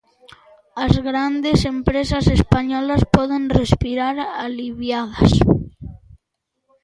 As grandes empresas españolas poden respirar aliviadas.